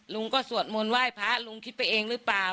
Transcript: ลุงก็สวดมนต์ไหว้พระลุงคิดไปเองหรือเปล่า